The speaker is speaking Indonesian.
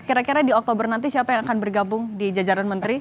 kira kira di oktober nanti siapa yang akan bergabung di jajaran menteri